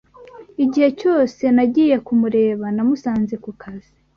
Igihe cyose nagiye kumureba, namusanze ku kazi.